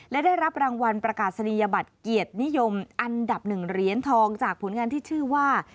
และได้รับรางวัลประกาศนียบัตรเกียรตินิยมอันดับ๑เหรียญทองจากผลงานที่ชื่อว่า